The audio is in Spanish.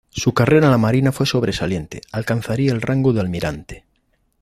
Su carrera en la marina fue sobresaliente, alcanzaría el rango de almirante.